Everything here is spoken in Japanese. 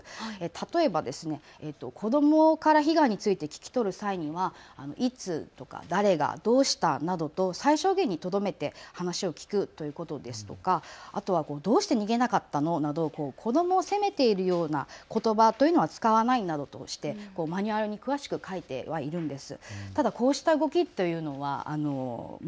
例えば子どもから被害について聞き取る際にはいつ、誰が、どうしたなどと最小限にとどめて話を聞くということですとかどうして逃げなかったの？など子どもを責めているようなことばは使わないなどとしてマニュアルは詳しく書いてはいるんです。